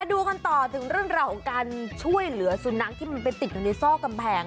ดูกันต่อถึงเรื่องราวของการช่วยเหลือสุนัขที่มันไปติดอยู่ในซอกกำแพง